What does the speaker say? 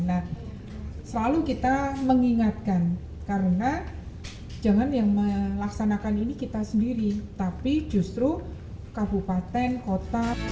nah selalu kita mengingatkan karena jangan yang melaksanakan ini kita sendiri tapi justru kabupaten kota